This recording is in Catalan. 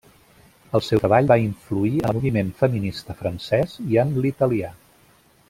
El seu treball va influir en el moviment feminista francès i en l’italià.